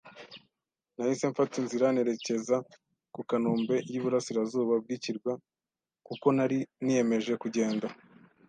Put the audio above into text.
Nahise mfata inzira nerekeza ku nkombe y'iburasirazuba bw'ikirwa, kuko nari niyemeje kugenda